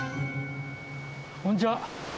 こんにちは。